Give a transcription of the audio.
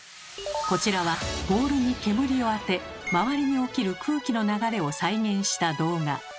こちらはボールに煙を当て周りに起きる空気の流れを再現した動画。